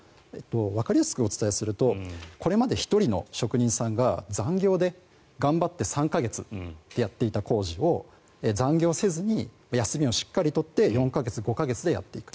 わかりやすくお伝えするとこれまで１人の職人さんが残業で頑張って３か月でやっていた工事を残業せずに休みをしっかり取って４か月、５か月でやっていく。